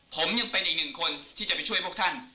ผมยังเป็นอีกหนึ่งคนที่จะไปช่วยพวกท่าน